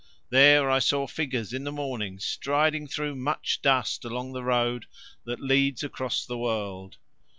There I saw figures in the morning striding through much dust along the road that leads across the world.